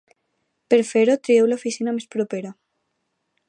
Per fer-ho, trieu l'oficina més propera.